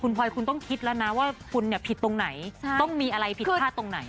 พลอยคุณต้องคิดแล้วนะว่าคุณผิดตรงไหนต้องมีอะไรผิดพลาดตรงไหน